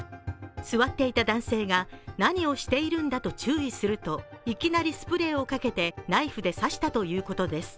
座っていた男性が、何をしているんだと注意すると、いきなりスプレーをかけて、ナイフで刺したということです。